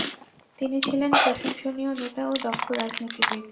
তিনি ছিলেন প্রশংসনীয় নেতা ও দক্ষ রাজনীতিবিদ।